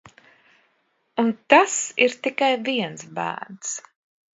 Un tas ir tikai viens bērns...